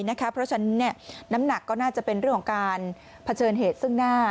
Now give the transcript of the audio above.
เพราะฉะนั้นน้ำหนักก็น่าจะเป็นเรื่องของการเผชิญเหตุซึ่งหน้า